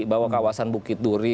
bahwa kawasan bukit duri